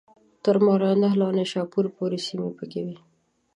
تر ماوراءالنهر او نیشاپور پوري سیمي پکښي وې.